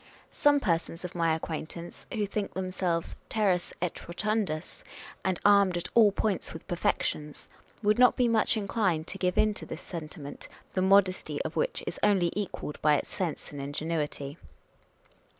"1 Some persons of my acquaintance, who think themselves teres et rotundus, and armed at all points with perfections, would not be much inclined to give in to this sentiment, the modesty of which is only equalled by its sense and ingenuity.